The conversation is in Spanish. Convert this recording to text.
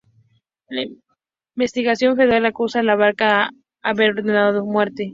La investigación federal acusa a Abarca de haber ordenado su muerte.